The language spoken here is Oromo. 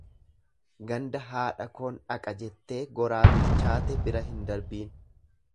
Ganda haadha koon dhaqa, jettee goraa bilchaate bira hin darbiin.